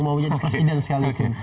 mau jadi presiden sekali